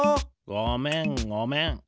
ごめんごめん。